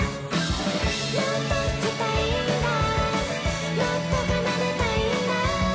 「もっと弾きたいんだもっと奏でたいんだ」